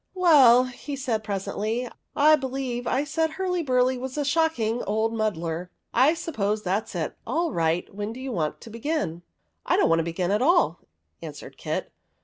'' Well," he said presently, " I believe I said Hurlyburly was a shocking old muddler. I suppose that 's it. All right ! When do you want to begin?" " I don't want to begin at all," answered Kit.